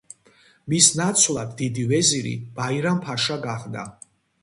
მის ნაცვლად დიდი ვეზირი ბაირამ-ფაშა გახდა.